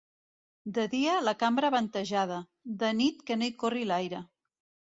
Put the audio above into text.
De dia, la cambra ventejada; de nit, que no hi corri l'aire.